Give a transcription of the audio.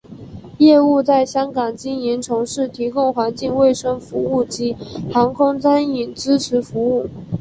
业务在香港经营从事提供环境卫生服务及航空餐饮支持服务。